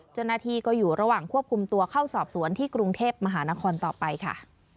เจ้าหน้าที่ก็อยู่ระหว่างควบคุมตัวเข้าสอบสวนที่กรุงเทพมหานครต่อไปค่ะ